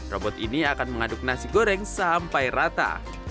robot ini akan mengaduk nasi goreng sampai rata